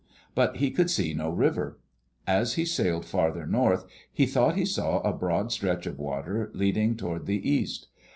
But he could see no river. As he sailed farther north, he thought he saw a broad stretch of water leading toward the east.